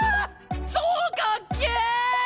超かっけぇ！